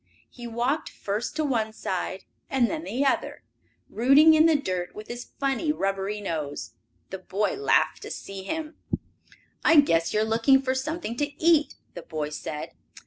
He walked first to one side, and then the other, rooting in the dirt with his funny, rubbery nose. The boy laughed to see him. "I guess you are looking for something to eat," the boy said.